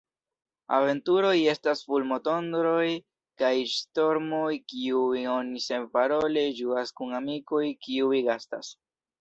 Aventuroj estas fulmotondroj kaj ŝtormoj, kiujn oni senparole ĝuas kun amikoj, kiuj gastas.